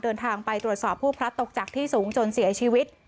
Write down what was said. เดินทางไปตรวจสอบผู้พลัดตกจากที่สูงจนเสียชีวิต